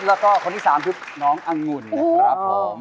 แล้วก็คนที่๓คือน้องอังุ่นนะครับผม